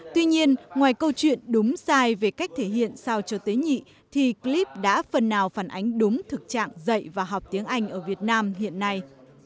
tuy nhiên ngoài câu chuyện đúng sai về cách thể hiện sao cho tế nhị thì clip đã phần nào phản ánh đúng thực trạng dạy và học tiếng anh ở việt nam hiện nay